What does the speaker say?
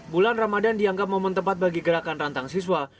bulan ramadan dianggap momen tepat bagi gerakan rantang siswa